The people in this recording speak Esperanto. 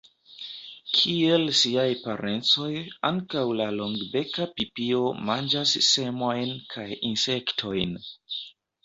Kiel siaj parencoj, ankaŭ la Longbeka pipio manĝas semojn kaj insektojn.